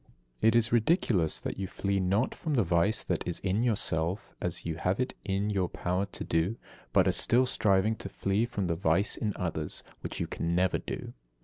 71. It is ridiculous that you flee not from the vice that is in yourself, as you have it in your power to do; but are still striving to flee from the vice in others, which you can never do.